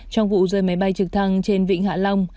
trong vụ rơi máy bay trực thăng trên vịnh hạ long